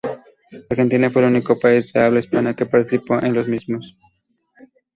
Argentina fue el único país de habla hispana que participó en los mismos.